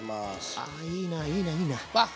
あいいないいないいな。